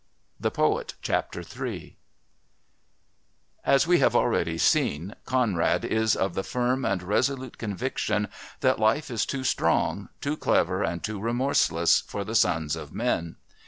III As we have already seen, Conrad is of the firm and resolute conviction that life is too strong, too clever and too remorseless for the sons of men.